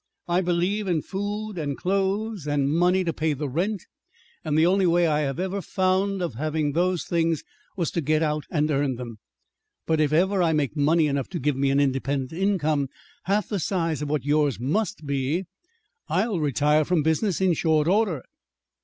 "I believe in food and clothes, and money to pay the rent, and the only way I have ever found of having those things was to get out and earn them. But if ever I make money enough to give me an independent income half the size of what yours must be, I'll retire from business in short order."